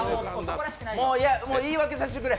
もう言い訳させてくれ。